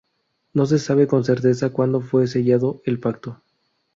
No se sabe con certeza cuando fue sellado el pacto.